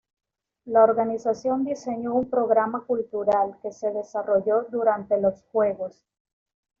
La organización diseñó un programa cultural que se desarrolló durante los juegos.